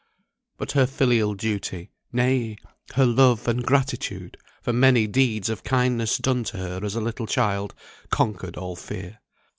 But her filial duty, nay, her love and gratitude for many deeds of kindness done to her as a little child, conquered all fear.